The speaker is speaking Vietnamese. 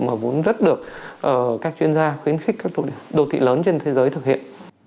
mà vốn rất được các chuyên gia khuyến khích các đô thị lớn trên thế giới thực hiện